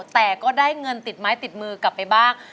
แต่ก็ได้เงินติดไม้ติดมือกลับไปบ้าง